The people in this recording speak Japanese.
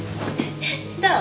どう？